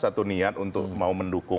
satu ketulusan satu niat untuk mau mendukung